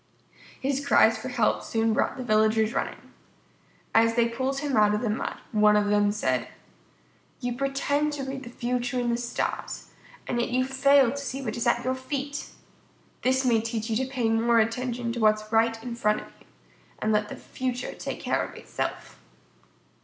His cries for help soon brought the villagers running. As they pulled him out of the mud, one of them said: "You pretend to read the future in the stars, and yet you fail to see what is at your feet! This may teach you to pay more attention to what is right in front of you, and let the future take care of itself."